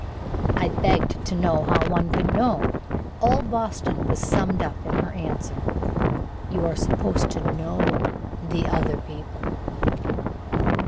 I begged to know how one could. All Boston was summed up in her answer: "You are supposed to know the other people."